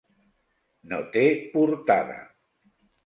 No té portada.